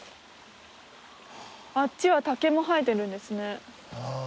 あっちは竹も生えてるんですね。